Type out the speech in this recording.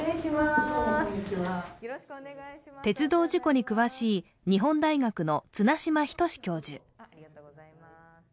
鉄道事故に詳しい日本大学の綱島均教授。